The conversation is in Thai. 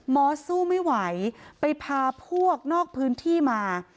อสสู้ไม่ไหวไปพาพวกนอกพื้นที่มา